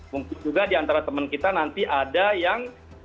mungkin juga diantara teman kita nanti kita bisa menangkap